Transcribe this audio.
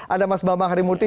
ada mas bama harimurti